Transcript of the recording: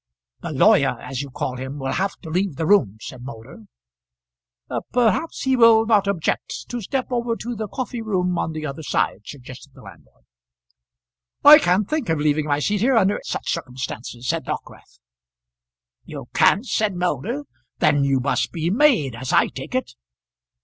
"The lawyer, as you call him, will have to leave the room," said Moulder. "Perhaps he will not object to step over to the coffee room on the other side," suggested the landlord. "I can't think of leaving my seat here under such circumstances," said Dockwrath. "You can't," said Moulder. "Then you must be made, as I take it."